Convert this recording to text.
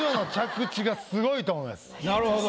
なるほど。